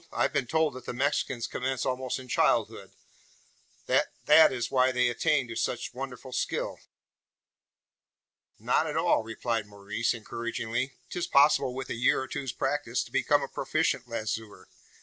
I've been told that the Mexicans commence almost in childhood; that that is why they attain to such wonderful skill?" "Not at all," replied Maurice, encouragingly. "'Tis possible, with a year or two's practice, to become a proficient lazoer.